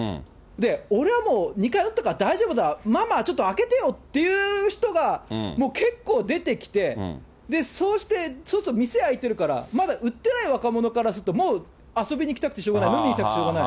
俺はもう２回打ったから大丈夫だ、ママ、ちょっと開けてよっていう人が、もう結構出てきて、そうするとちょっと店開いてるから、まだ打ってない若者からすると、もう遊びにいきたくてしょうがない、飲みに行きたくてしょうがない。